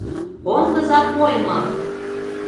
Кондыза кольмым!!!